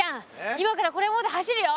今からこれ持って走るよ。